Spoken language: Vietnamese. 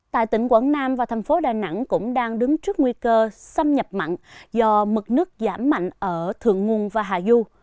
tại tỉnh quảng nam và thành phố đà nẵng cũng đang đứng trước nguy cơ xâm nhập mặn do mực nước giảm mạnh ở thượng nguồn và hà du